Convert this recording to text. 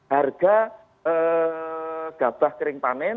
harga gabah kering panen